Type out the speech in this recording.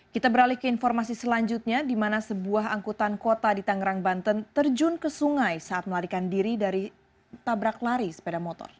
kita beralih ke informasi selanjutnya di mana sebuah angkutan kota di tangerang banten terjun ke sungai saat melarikan diri dari tabrak lari sepeda motor